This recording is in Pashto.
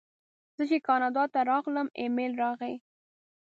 زه چې کاناډا ته راغلم ایمېل راغی.